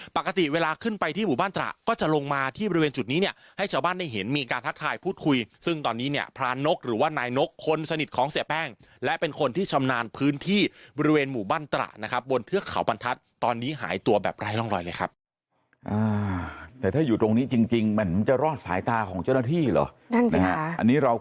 ปกติเวลาขึ้นไปที่หมู่บ้านตระก็จะลงมาที่บริเวณจุดนี้เนี่ยให้ชาวบ้านได้เห็นมีการทักทายพูดคุยซึ่งตอนนี้เนี่ยพรานกหรือว่านายนกคนสนิทของเสียแป้งและเป็นคนที่ชำนาญพื้นที่บริเวณหมู่บ้านตระนะครับบนเทือกเขาบรรทัศน์ตอนนี้หายตัวแบบไร้ร่องรอยเลยครับ